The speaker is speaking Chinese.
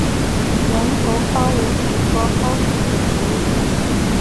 圆头蒿为菊科蒿属的植物。